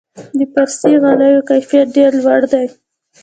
د فارسي غالیو کیفیت ډیر لوړ دی.